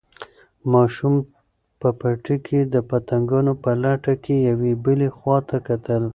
ماشوم په پټي کې د پتنګانو په لټه کې یوې او بلې خواته کتل.